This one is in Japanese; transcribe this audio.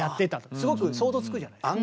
すごく想像つくじゃないですか。